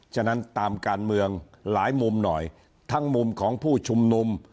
ฉะนั้นตามการเมืองหลายมุมหน่อยทั้งมุมของผู้ชุมนุม